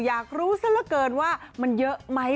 อยากรู้ซะละเกินว่ามันเยอะไหม